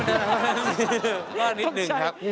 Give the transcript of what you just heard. ก็นิดหนึ่งครับ